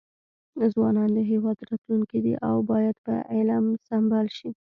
ځوانان د هیواد راتلونکي دي او باید په علم سمبال شي.